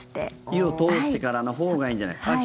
湯を通してからのほうがいいんじゃないか。